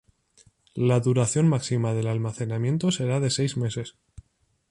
La duración máxima del almacenamiento será de seis meses.